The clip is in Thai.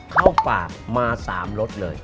เข้าปากมา๓รสเลย